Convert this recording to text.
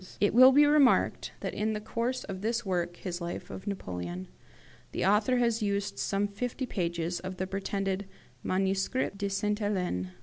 "It will be remarked that in the course of this work [his life of Napoleon] the author has used some fifty pages of the pretended 'Manuscrit de Sainte Helene'.